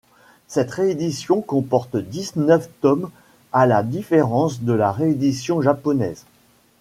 Cette réédition comporte dix-neuf tomes à la différence de la réédition japonaise.